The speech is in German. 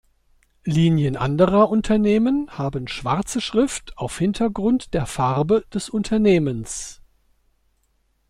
Linien anderer Unternehmen haben schwarze Schrift auf Hintergrund der Farbe des Unternehmens.